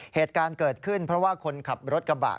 เหตุการณ์เกิดขึ้นเพราะว่าคนขับรถกระบะ